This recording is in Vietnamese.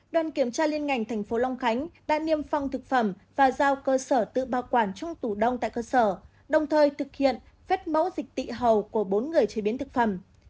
đoàn kiểm tra liên ngành tp long khánh đã niêm phong thực phẩm và giao cơ sở tự bảo quản trong tủ đông tại cơ sở đồng thời thực hiện vết mẫu dịch tị hầu của bốn người chế biến thực phẩm